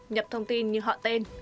nhập thông tin như họ tên